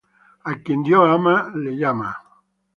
A quien Dios ama, le llama.